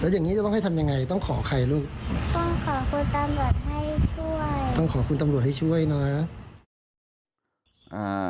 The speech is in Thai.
อย่างนี้จะต้องให้ทำยังไงต้องขอใครลูกต้องขอคุณตำรวจให้ช่วยต้องขอคุณตำรวจให้ช่วยนะ